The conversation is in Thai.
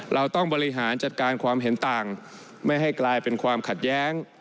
เราต้องบริหารจัดการความเห็นต่างไม่ให้กลายเป็นความขัดแย้ง